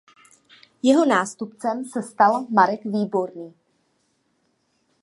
Jeho nástupcem se stal Marek Výborný.